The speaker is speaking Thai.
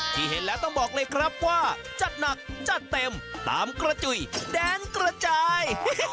เห็นแล้วต้องบอกเลยครับว่าจัดหนักจัดเต็มตามกระจุยแดนกระจาย